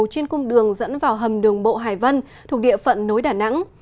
trên cung đường dẫn vào hầm đường bộ hải vân thuộc địa phận nối đà nẵng